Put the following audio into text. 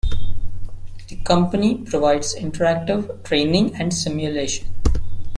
The company provides "Interactive Training and Simulation".